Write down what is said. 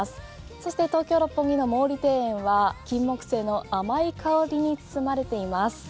そして東京・六本木の毛利庭園はキンモクセイの甘い香りに包まれています。